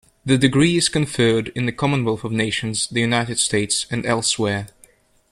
The degree is conferred in the Commonwealth of Nations, the United States and elsewhere.